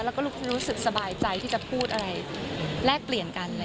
แล้วก็รู้สึกสบายใจที่จะพูดอะไรแลกเปลี่ยนกัน